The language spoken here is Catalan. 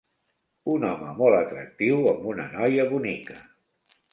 un home molt atractiu amb una noia bonica